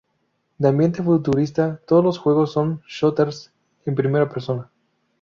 De ambiente futurista, todos los juegos son shooters en primera persona.